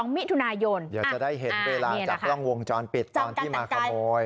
มิถุนายนเดี๋ยวจะได้เห็นเวลาจากกล้องวงจรปิดตอนที่มาขโมย